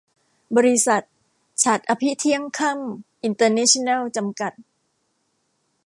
บริษัท ฉัตรอภิเที่ยงค่ำอินเตอร์เนชั่นแนล จำกัด